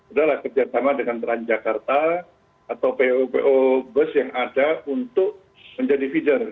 udah lah kerja sama dengan transjakarta atau po po bus yang ada untuk menjadi feeder